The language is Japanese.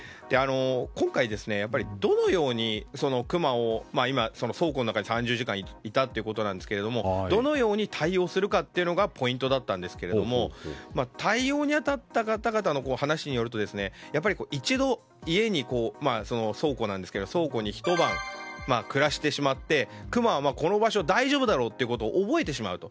今回、クマが倉庫の中に３０時間がいたということですがどのように対応するかがポイントだったんですが対応に当たった方々の話によると一度、倉庫にひと晩暮らしてしまってクマはこの場所が大丈夫だろうということを覚えてしまうと。